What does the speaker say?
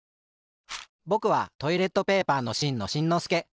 ぼくはトイレットペーパーのしんのしんのすけ。